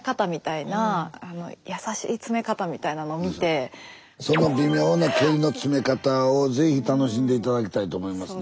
それこそ私はやっぱその微妙な距離の詰め方を是非楽しんで頂きたいと思いますね。